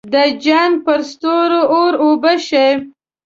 د جنګ پرستو زور اوبه شه.